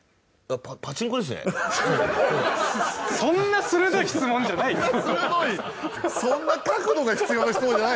そんな鋭い質問じゃないよ。